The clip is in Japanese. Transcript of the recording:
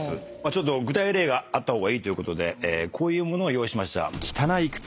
ちょっと具体例があった方がいいということでこういう物を用意しました。